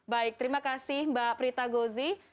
baik terima kasih mbak prita gozi